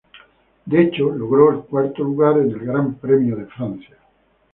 De hecho, logró el cuarto lugar en el Gran Premio de Francia.